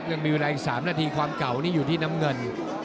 ยังมีเวลาอีก๓นาทีความเก่านี่อยู่ที่น้ำเงิน